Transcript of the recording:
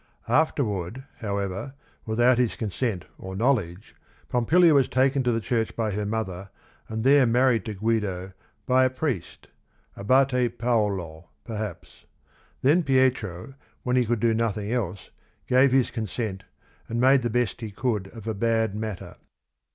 Afterward, however, without his consent or knowledge, Pompilia was taken to the church by her mother and there married to Guido by a priest — "Abate Paolo, perhaps." Then Pietro when he could do nothing else, gave his consent and made the best he could of a bad matter.